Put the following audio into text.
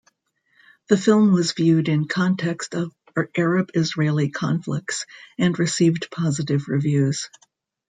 The film was viewed in context of Arab-Israeli conflicts, and received positive reviews.